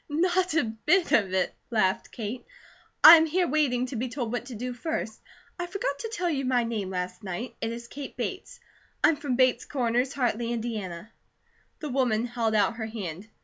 "Not a bit of it!" laughed Kate. "I am here waiting to be told what to do first. I forgot to tell you my name last night. It is Kate Bates. I'm from Bates Corners, Hartley, Indiana." The woman held out her hand.